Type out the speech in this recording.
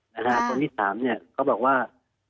บ้านที่๓เนี่ยเค้าบอกว่า